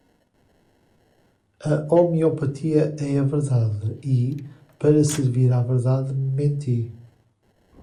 a homeopatia é a verdade, e, para servir à verdade, menti;